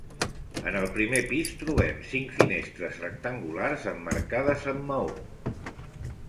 En el primer pis trobem cinc finestres rectangulars emmarcades amb maó.